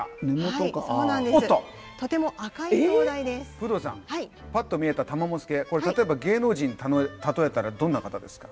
不動さんパッと見えた玉藻助これ例えば芸能人で例えたらどんな方ですか？